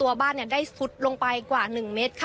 ตัวบ้านเลยจะได้กล้อมกว่า๑เมตร